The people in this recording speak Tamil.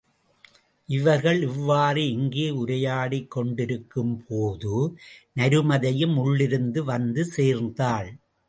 இவர்கள் இவ்வாறு இங்கே உரையாடிக் கொண்டிருக்கும்போது நருமதையும் உள்ளிருந்து வந்து சேர்ந்தாள்.